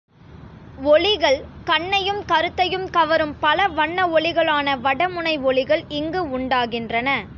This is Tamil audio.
ஒளிகள் கண்ணையும் கருத்தையும் கவரும் பல வண்ண ஒளிகளான வட முனை ஒளிகள் இங்கு உண்டாகின்றன.